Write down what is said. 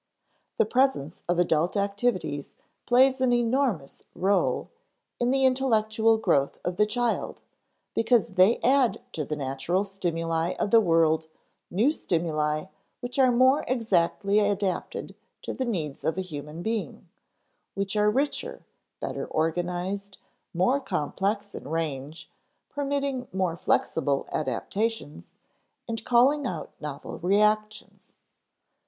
The presence of adult activities plays an enormous rôle in the intellectual growth of the child because they add to the natural stimuli of the world new stimuli which are more exactly adapted to the needs of a human being, which are richer, better organized, more complex in range, permitting more flexible adaptations, and calling out novel reactions.